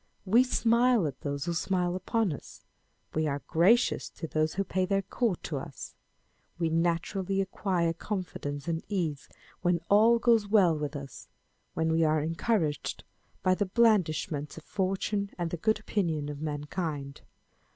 We smile at those who smile upon us : we are gracious to those who pay their court to us : we naturally acquire confidence and ease when all goes well with us, when we are encouraged by the blandishments of fortune and the good opinion of mankind.